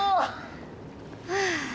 はあ。